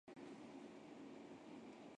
由其孙菊池时隆继位为第十一代家督。